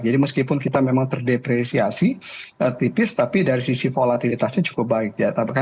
jadi meskipun kita memang terdepresiasi tipis tapi dari sisi volatilitasnya cukup baik